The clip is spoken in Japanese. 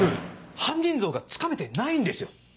犯人像がつかめてないんですよ。